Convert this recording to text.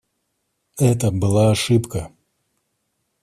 Это была ошибка.